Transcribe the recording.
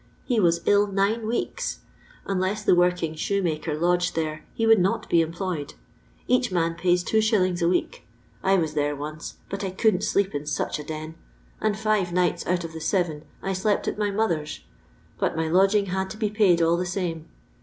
He was ill nine weeks. Unless the worUng shoemaker lodged there he would not be employed. Bach man pays 2s. a week. I was there once, but I couldn't sleep in such a den ; and five nights out of the seven I slept at my mother's, but my lodg ing had to be paid all the same.